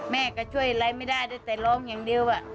แม่ก็ช่วยอะไรไม่ได้ด้วยแต่ร้องอย่างเดียว